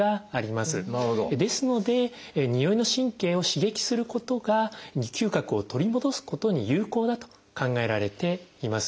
ですのでにおいの神経を刺激することが嗅覚を取り戻すことに有効だと考えられています。